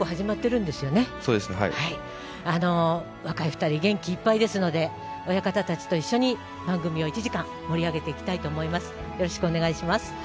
若い２人元気いっぱいですので親方たちと一緒に番組を１時間盛り上げていきたいと思います。